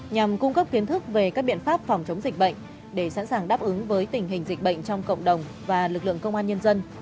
nhằm cung cấp kiến thức về các biện pháp phòng chống dịch bệnh để sẵn sàng đáp ứng với tình hình dịch bệnh trong cộng đồng và lực lượng công an nhân dân